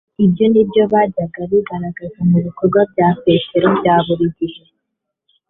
ni byo byajyaga bigaragara mu bikorwa bya Petero bya buri gihe.